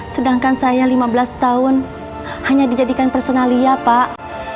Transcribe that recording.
sedangkan saya lima belas tahun hanya dijadikan personalia pak